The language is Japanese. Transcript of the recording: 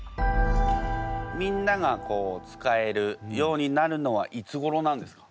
みんなが使えるようになるのはいつごろなんですか？